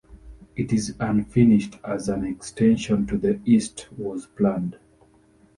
It is unfinished, as an extension to the east was planned.